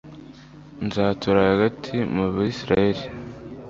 nzatura hagati mu bisirayeli